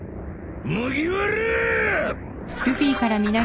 麦わらぁ！